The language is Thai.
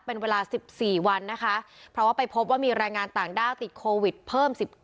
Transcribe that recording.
เป็นเวลา๑๔วันนะคะเพราะว่าไปพบว่ามีแรงงานต่างด้าวติดโควิดเพิ่ม๑๙